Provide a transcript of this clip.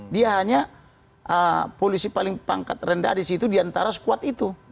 dia hanya polisi paling pangkat rendah di situ diantara squad itu